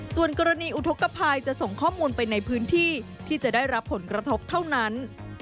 ส่วนกรณีอุทธกภัยจะส่งข้อมูลไปในพื้นที่ที่จะได้รับผลกระทบเท่านั้น